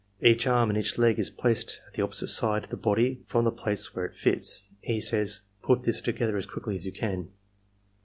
Each arm and each leg is placed at the opposite side of the body from the place where it fits. E. says, ^^PiU this together as quickly as you can.